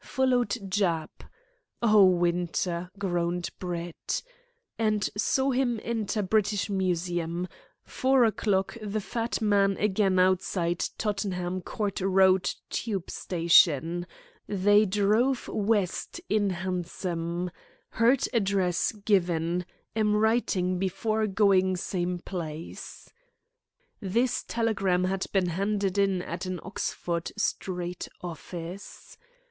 Followed Jap ("Oh, Winter!" groaned Brett) and saw him enter British Museum. Four o'clock he met fat man again outside Tottenham Court Road Tube Station. They drove west in hansom. Heard address given. Am wiring before going same place." This telegram had been handed in at an Oxford Street office.